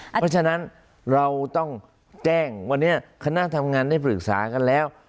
เพราะฉะนั้นเราต้องแจ้งวันนี้คณะทำงานได้ปรึกษากันแล้ว